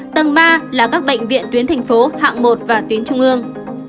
tầng ba là các bệnh viện tuyến thành phố hạng một và tuyến trung ương